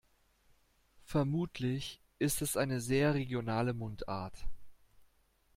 Vermutlich ist es eine sehr regionale Mundart.